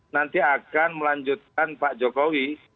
nanti akan melanjutkan pak jokowi